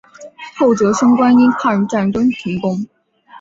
后哲生馆因抗日战争停工。